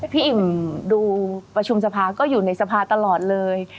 อิ่มดูประชุมสภาก็อยู่ในสภาตลอดเลย